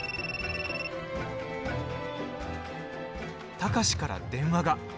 貴司から電話が。